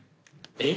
えっ！？